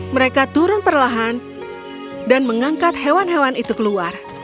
mereka turun perlahan dan mengangkat hewan hewan itu keluar